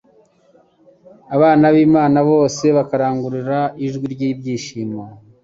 abana b'Imana bose bakarangurura ijwi ry'ibyishimo."